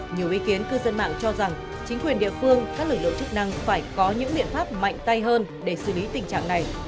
nhiều ý kiến cư dân mạng cho rằng chính quyền địa phương các lực lượng chức năng phải có những biện pháp mạnh tay hơn để xử lý tình trạng này